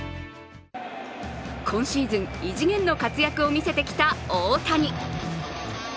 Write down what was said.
今シーズン、異次元の活躍を見せてきた大谷。